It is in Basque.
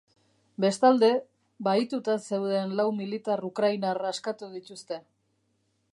Bestalde, bahituta zeuden lau militar ukrainar askatu dituzte.